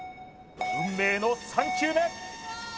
運命の３球目！